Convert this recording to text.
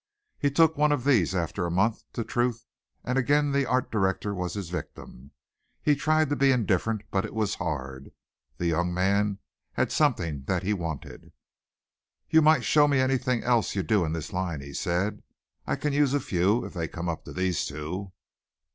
He took one of these after a month to Truth, and again the Art Director was his victim. He tried to be indifferent, but it was hard. The young man had something that he wanted. "You might show me anything else you do in this line," he said. "I can use a few if they come up to these two."